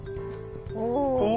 お！